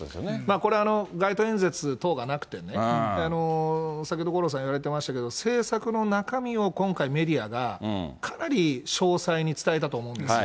これは、街頭演説等がなくてね、先ほど五郎さんが言われてましたけれども、政策の中身を今回、メディアがかなり詳細に伝えたと思うんですよ。